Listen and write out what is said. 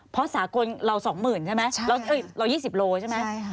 เพราะสากลเราสองหมื่นใช่ไหมเรายี่สิบโลใช่ไหม